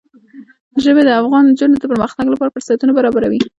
ژبې د افغان نجونو د پرمختګ لپاره فرصتونه برابروي.